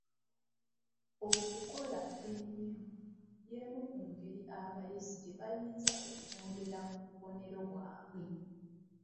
Okukola ennyo y'emu ku ngeri abayizi gye bayinza okwongera ku bubonero bwabwe.